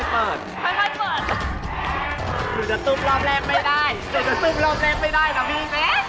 หรือวิววววววรอบแรกไม่ได้นะพี่